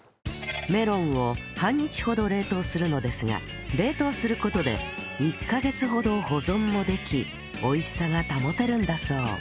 メロンを半日ほど冷凍するのですが冷凍する事で１カ月ほど保存もでき美味しさが保てるんだそう